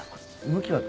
向きは。